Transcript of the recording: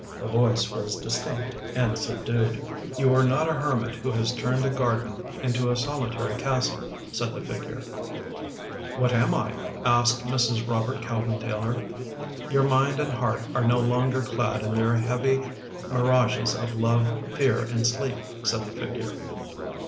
The voice was distinct and subdued. " You are not a hermit who has turned a garden into a solitary castle," said the figure. " What am I? " asked Mrs. Robert Calvin Taylor. " Your mind and heart are no longer clad in their heavy mirages of love, fear, and sleep," said the figure.